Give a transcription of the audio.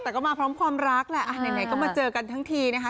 แต่ก็มาพร้อมความรักแหละไหนก็มาเจอกันทั้งทีนะคะ